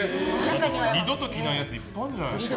二度と着ないやついっぱいあるんじゃないですか。